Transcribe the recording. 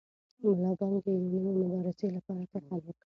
ملا بانګ د یوې نوې مبارزې لپاره تکل وکړ.